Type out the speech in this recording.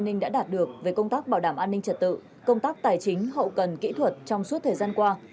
công an tỉnh tây ninh đã đạt được về công tác bảo đảm an ninh trật tự công tác tài chính hậu cần kỹ thuật trong suốt thời gian qua